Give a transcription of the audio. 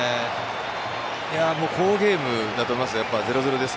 好ゲームだと思います。